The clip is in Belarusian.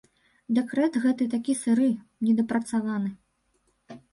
Дэкрэт гэты такі сыры, недапрацаваны.